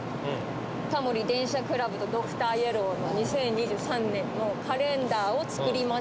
タモリ電車クラブとドクターイエローの２０２３年のカレンダーを作りましょうという事で。